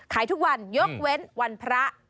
ขายทุกวันยกเว้นวันพระ